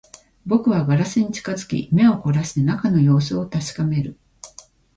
僕はガラスに近づき、目を凝らして中の様子を確かめる